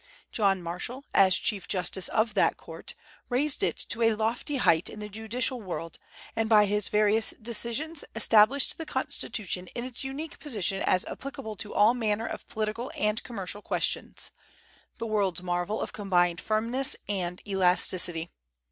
John Marshall, as Chief Justice of that Court, raised it to a lofty height in the judicial world, and by his various decisions established the Constitution in its unique position as applicable to all manner of political and commercial questions the world's marvel of combined firmness and elasticity.